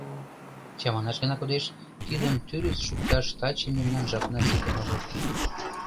Чаманаш гына кодеш, тидым тӱрыс шукташ таче мемнан жапна ситен огыл.